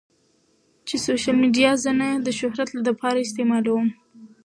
چې سوشل ميډيا زۀ نۀ د شهرت د پاره استعمالووم